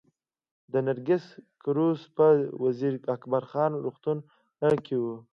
د نرسنګ کورس په وزیر اکبر خان روغتون کې و